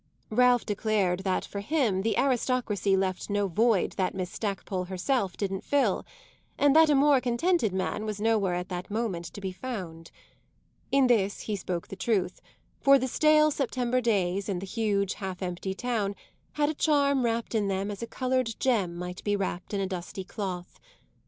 Ralph declared that for him the aristocracy left no void that Miss Stackpole herself didn't fill, and that a more contented man was nowhere at that moment to be found. In this he spoke the truth, for the stale September days, in the huge half empty town, had a charm wrapped in them as a coloured gem might be wrapped in a dusty cloth.